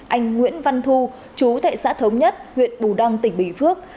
anh nguyễn văn thu chú tại xã thống nhất huyện bù đăng tỉnh bình phước